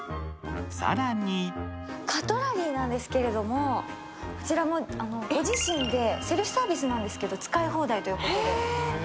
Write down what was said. さらにカトラリーなんですけどもこちらもご自身でセルフサービスなんですけど使い放題ということで。